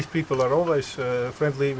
có khi nó hơi ngon